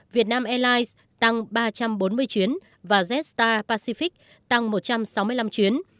việt nam airlines tăng ba trăm bốn mươi chuyến và jetstar pacific tăng một trăm sáu mươi năm chuyến